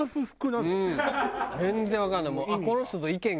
全然わかんない。